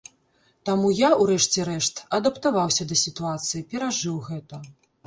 Таму я, урэшце рэшт, адаптаваўся да сітуацыі, перажыў гэта.